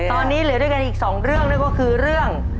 ตอนนี้เหลือด้วยกันอีกสองเรื่องนั่นก็คือเรื่อง